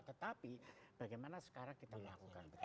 tetapi bagaimana sekarang kita melakukan